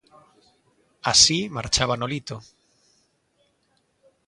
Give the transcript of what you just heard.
Así marchaba Nolito.